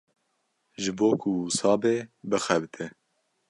Ji bo ku wisa be bixebite.